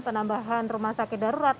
penambahan rumah sakit darurat